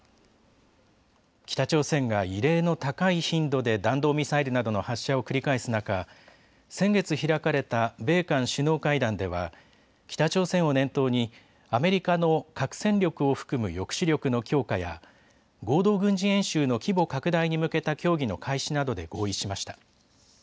北朝鮮が異例の高い頻度で弾道ミサイルなどの発射を繰り返す中、先月開かれた米韓首脳会談では北朝鮮を念頭にアメリカの核戦力を含む抑止力の強化や合同軍事演習の規模拡大に向けた協議の開始などで合意しました。